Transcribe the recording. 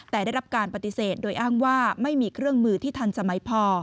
แต่ได้รับการปฏิเสธโดยอ้างว่าไม่มีเครื่องมือที่ทันสมัยพอ